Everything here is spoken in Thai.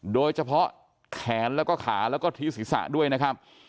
โดยเฉพาะแขนแล้วก็ขาแล้วก็ที่ศีรษะด้วยนะครับ